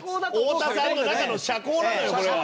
太田さんの中の社交なのよこれは。